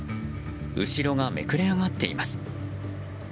後ろがめくれ上がっています。